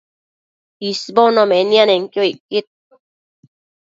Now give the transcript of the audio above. isbono nemianenquio icquid